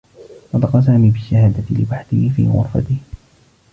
نطق سامي بالشّهادة لوحده في غرفته.